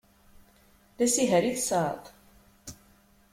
D asiher i tesεiḍ?